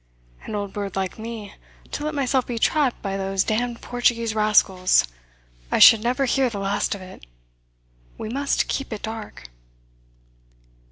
"An old bird like me! To let myself be trapped by those damned Portuguese rascals! I should never hear the last of it. We must keep it dark."